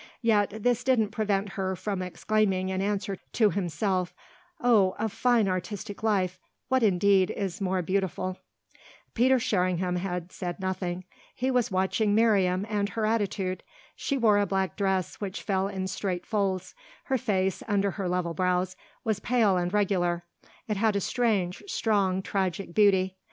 Yet this didn't prevent her from exclaiming in answer to himself: "Oh a fine artistic life what indeed is more beautiful?" Peter Sherringham had said nothing; he was watching Miriam and her attitude. She wore a black dress which fell in straight folds; her face, under her level brows, was pale and regular it had a strange, strong, tragic beauty.